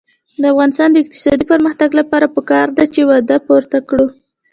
د افغانستان د اقتصادي پرمختګ لپاره پکار ده چې وعده پوره کړو.